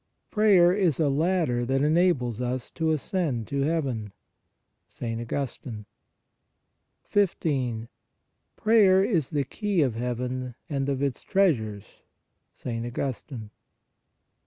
Prayer is a ladder that enables us to ascend to heaven (St. Augustine). 15. Prayer is the key of heaven and of its treas ures (St. Augustine).